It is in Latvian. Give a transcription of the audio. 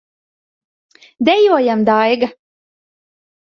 Dejojam, Daiga!